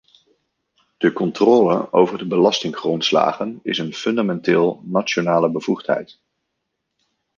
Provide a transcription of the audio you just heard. De controle over de belastinggrondslagen is een fundamenteel nationale bevoegdheid.